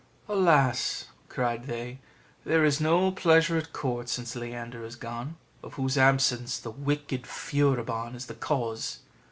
"Alas!" cried they, "there is no pleasure at court since Leander is gone, of whose absence the wicked Furibon is the cause!"